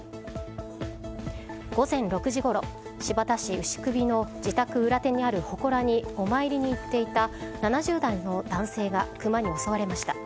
午前６時ごろ、新発田市丑首の自宅裏手にあるほこらにお参りに行っていた７０代の男性がクマに襲われました。